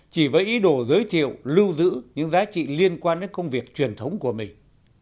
chỉ với ý đồ giới thiệu lưu giữ những giá trị liên quan đến công việc truyền thống của mình